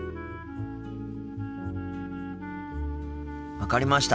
分かりました。